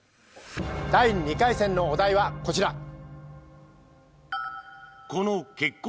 第２回戦のお題はこちら！